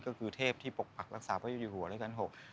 ก็คือเทพที่ปกปรักรักษาพระอยู่อยู่หัวรัชกรรมหก